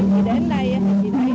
khi đến đây thì thấy là